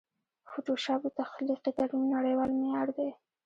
فوټوشاپ د تخلیقي ترمیم نړېوال معیار دی.